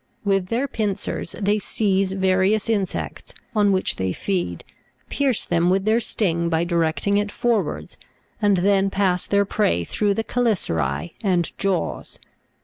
With their pincers they seize various insects, on which they feed, pierce them with their sting by directing it forwards, and then pass their prey through the cheli'cerse and jaws.